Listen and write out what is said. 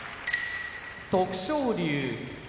徳勝龍